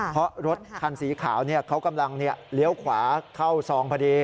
เพราะรถคันสีขาวเขากำลังเลี้ยวขวาเข้าซองพอดี